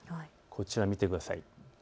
こちらを見てください。